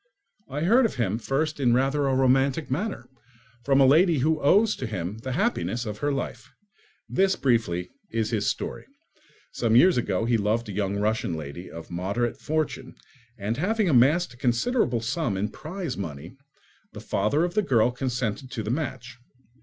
I heard of him first in rather a romantic manner, from a lady who owes to him the happiness of her life. This, briefly, is his story. Some years ago he loved a young Russian lady of moderate fortune, and having amassed a considerable sum in prize money, the father of the girl consented to the match.